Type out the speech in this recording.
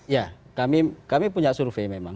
ya kami punya survei memang